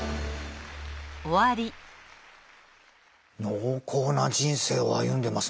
濃厚な人生を歩んでますね。